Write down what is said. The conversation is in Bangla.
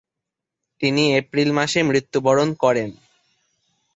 তিনি এপ্রিল মাসে মৃত্যুবরণ করেন।